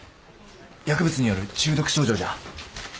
薬物による中毒症状じゃ。